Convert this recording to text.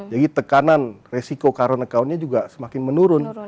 jadi tekanan resiko current account